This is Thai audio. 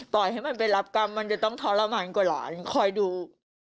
ปล่อยให้มันไปรับกรรมมันจะต้องทรมานกว่าหลานคอยดู